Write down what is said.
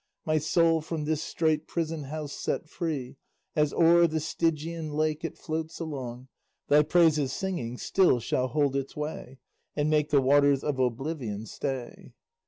My soul, from this strait prison house set free, As o'er the Stygian lake it floats along, Thy praises singing still shall hold its way, And make the waters of oblivion stay.